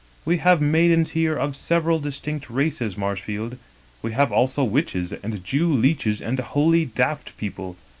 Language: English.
We have maidens here of several distinct races, Marshfield. We have also witches, and Jew leeches, and holy daft people.